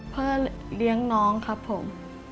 เพื่อเลี้ยงน้องครับผม